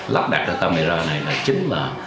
lắp đặt camera này là chính là